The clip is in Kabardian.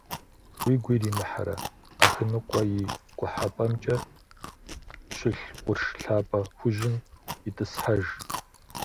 Уигу иримыхьрэ, Ахыныкъуэ и къухьэпӀэмкӀэ щылъ къурш лъапэ хужьым итӀысхьэж.